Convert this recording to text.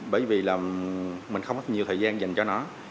bởi vì là mình không mất nhiều thời gian dành cho nó